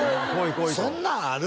そんなんある？